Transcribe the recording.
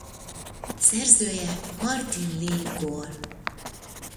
Szerzője Martin Lee Gore.